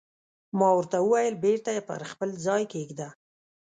ما ورته وویل: بېرته یې پر خپل ځای کېږده.